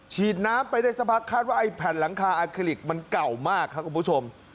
ฉีดน้ำไปได้สักพักคาดว่าไอ้แผ่นหลังคาอาคลิกมันเก่ามากครับคุณผู้ชม